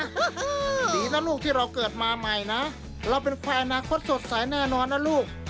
ดีนะลูกที่เราเกิดมาใหม่นะเราเป็นแฟนอนาคตสดใสแน่นอนนะลูก